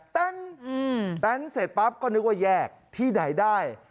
แนนเสร็จปั๊บก็นึกว่าแยกที่ไหนได้